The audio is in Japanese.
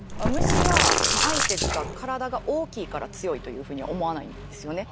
虫は相手が体が大きいから強いというふうには思わないんですよね。